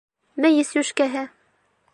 Мейес йүшкәһе.